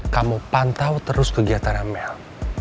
kamu pantau terus kegiatan amel